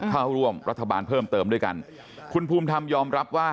เข้าร่วมรัฐบาลเพิ่มเติมด้วยกันคุณภูมิธรรมยอมรับว่า